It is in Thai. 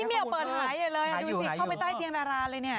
เมียวเปิดหายใหญ่เลยดูสิเข้าไปใต้เตียงดาราเลยเนี่ย